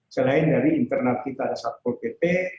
selain dari internal kita ada satpol pp